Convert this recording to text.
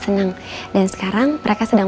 senang dan sekarang mereka sedang